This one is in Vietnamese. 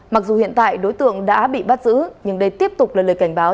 mặc dù hiện tại đối tượng đã bị bắt giữ nhưng đây tiếp tục là lời cảnh báo